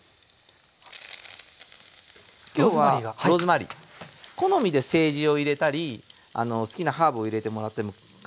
今日はローズマリー好みでセージを入れたり好きなハーブを入れてもらってもかまいません。